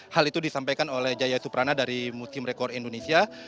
hal itu disampaikan oleh jaya suprana dari musim rekor indonesia